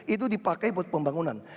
itu dipakai buat pembangunan